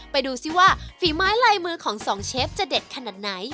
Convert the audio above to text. ไปดูซิว่าฝีไม้ลายมือของสองเชฟจะเด็ดขนาดไหน